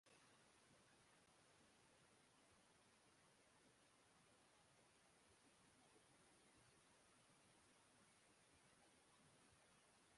Run the web application